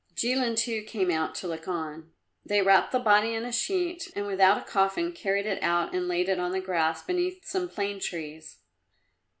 Jilin, too, came out to look on. They wrapped the body in a sheet and without a coffin carried it out and laid it on the grass beneath some plane trees.